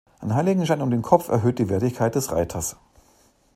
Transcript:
Ein Heiligenschein um den Kopf erhöht die Wertigkeit des Reiters.